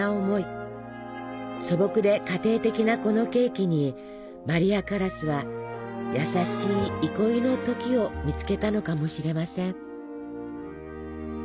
素朴で家庭的なこのケーキにマリア・カラスは優しい憩いの時を見つけたのかもしれません。